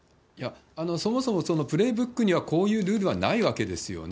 そもそも、そのプレイブックには、こういうルールはないわけですよね。